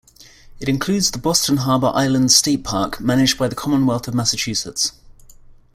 It includes the Boston Harbor Islands State Park, managed by the Commonwealth of Massachusetts.